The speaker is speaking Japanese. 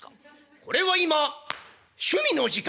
「これは今趣味の時間」。